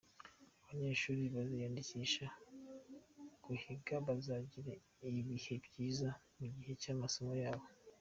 Abanyeshuli baziyandikisha kuhiga bazagira ibihe byiza mu gihe cy’amasomo yabo.